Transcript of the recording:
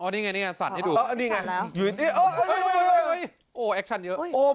อ้อนี่ไงสั่นให้ดูไม่กินแล้วอยู่ที่โอ้เอกชันเยอะ